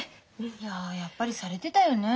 いややっぱりされてたよね。